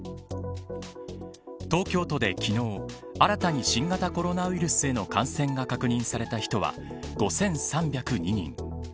東京都で昨日、新たに新型コロナウイルスへの感染が確認された人は５３０２人。